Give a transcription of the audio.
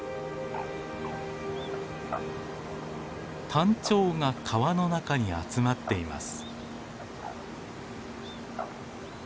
タンチョウが川の中に集まっています。